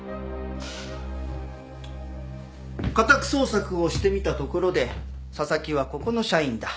家宅捜索をしてみたところで紗崎はここの社員だ。